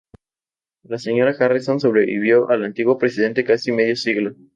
La señora Harrison sobrevivió al antiguo presidente casi medio siglo.